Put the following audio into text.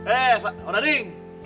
eh udah ding